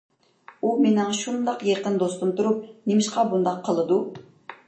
ئۇ مېنىڭ شۇنداق يېقىن دوستۇم تۇرۇپ، نېمىشقا بۇنداق قىلىدۇ؟